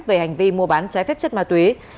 về hành vi mua bán trái phép chất ma túy